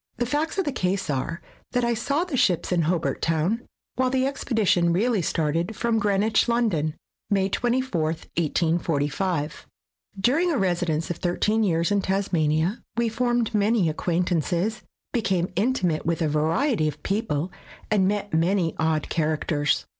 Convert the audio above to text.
The facts of the case are, that I saw the ships in Hobart Town, while the expedition really started from Greenwich, London, May 24, 1845. During a residence of thirteen years in Tasmania, we formed many acquaintances, became intimate with a variety of people, and met many odd characters.